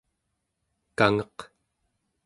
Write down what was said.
kangeq